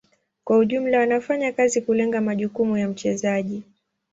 Kwa ujumla wanafanya kazi kulenga majukumu ya mchezaji.